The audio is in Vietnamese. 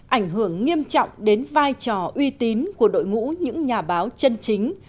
ảnh hưởng nghiêm trọng đến vai trò uy tín của đội ngũ những nhà báo chân chính